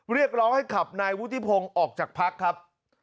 เรียกร้องให้ขับนายวุฒิพงศ์ออกจากพักครับ